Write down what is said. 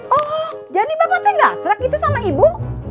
oh jadi bapak tuh nggak seret gitu sama ibu